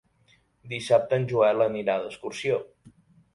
Dissabte en Joel anirà d'excursió.